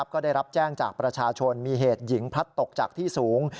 ก็ได้รับแจ้งจากประชาชนมีเหตุหญิงพลัดตกจากที่สูง